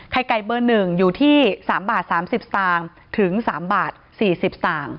ไก่เบอร์๑อยู่ที่๓บาท๓๐สตางค์ถึง๓บาท๔๐สตางค์